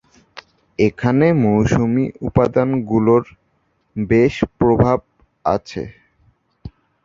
এখানে মৌসুমী উপাদানগুলোর বেশ প্রভাব আছে।